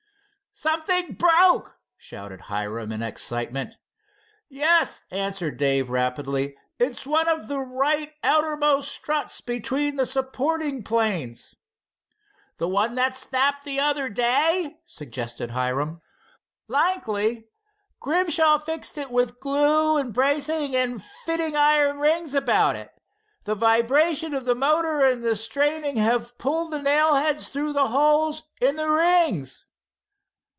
"Something broke!" shouted Hiram in excitement. "Yes," answered Dave rapidly. "It's one of the right outermost struts between the supporting planes." "The one that snapped the other day," suggested Hiram. "Likely. Grimshaw fixed it with glue and bracing, and fitting iron rings about it. The vibration of the motor and the straining have pulled the nail heads through the holes in the rings."